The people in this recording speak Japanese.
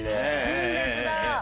純烈だ。